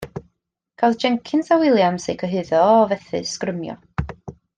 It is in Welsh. Cafodd Jenkins a Williams eu cyhuddo o fethu sgrymio.